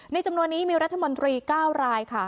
จำนวนนี้มีรัฐมนตรี๙รายค่ะ